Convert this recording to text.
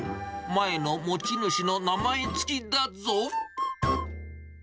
前の持ち主の名前付きだぞ。